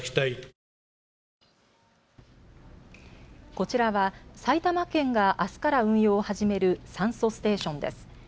こちらは埼玉県があすから運用を始める酸素ステーションです。